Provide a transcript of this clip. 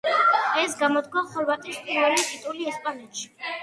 ეს გამოდგა ხორვატის პირველი ტიტული ესპანეთში.